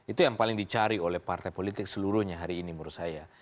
itu yang paling dicari oleh partai politik seluruhnya hari ini menurut saya